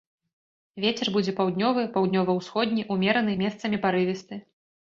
Вецер будзе паўднёвы, паўднёва-ўсходні, умераны, месцамі парывісты.